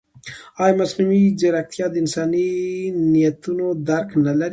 ایا مصنوعي ځیرکتیا د انساني نیتونو درک نه لري؟